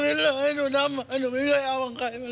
เป็นประตุศาสตร์ในอายุทธิ์สมองกับพวกยังไม่ได้